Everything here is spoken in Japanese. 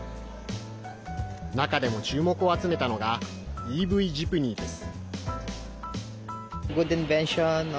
中でも注目を集めたのがＥＶジプニーです。